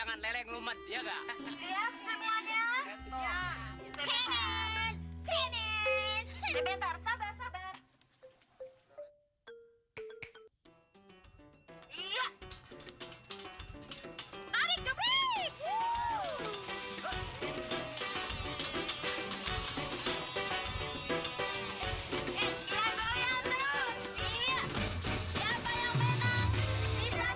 sampai jumpa di video selanjutnya